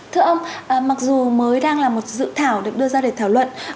thưa ông mặc dù mới đang là một dự thảo được đưa ra để thảo luận